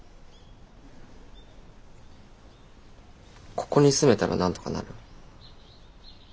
ここに住めたらなんとかなる？